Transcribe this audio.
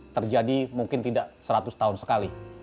terjadi mungkin tidak seratus tahun sekali